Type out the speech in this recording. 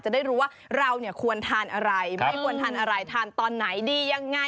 จะได้รู้ว่าเราเนี่ยควรทานอะไรไม่ควรทานอะไรทานตอนไหนดียังไง